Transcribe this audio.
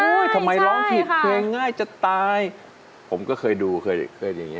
ง่ายค่ะโอ้โฮทำไมร้องผิดเคยง่ายจะตายผมก็เคยดูอย่างนี้